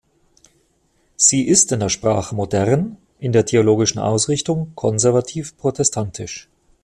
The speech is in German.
Sie ist in der Sprache modern, in der theologischen Ausrichtung konservativ-protestantisch.